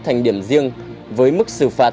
thành điểm riêng với mức sự phạt